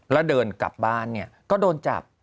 แล้วเดินกลับบ้านเนี่ยก็โดนจับ